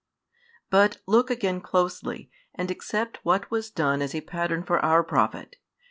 But look again closely, and accept what was done as a pattern for our profit.